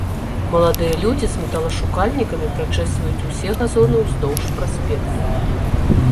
Маладыя людзі з металашукальнікамі прачэсваюць усе газоны ўздоўж праспекту.